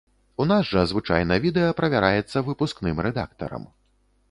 У нас жа звычайна відэа правяраецца выпускным рэдактарам.